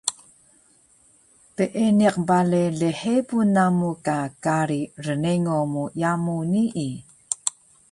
Peeniq bale lhebun namu ka kari rnengo mu yamu nii